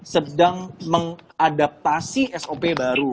sedang mengadaptasi sop baru